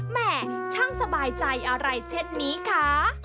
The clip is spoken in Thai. แห่ช่างสบายใจอะไรเช่นนี้คะ